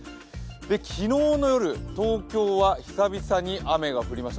昨日の夜、東京は久々に雨が降りました。